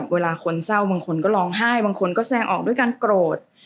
เวลาคนเศร้าบางคนก็ร้องไห้บางคนก็แสดงออกด้วยการโกรธ